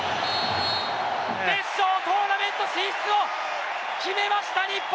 決勝トーナメント進出を決めました、日本！